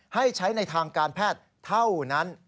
ให้ใช้ในทางการแพทย์เท่านั้น